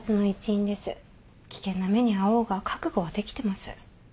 危険な目に遭おうが覚悟はできてます。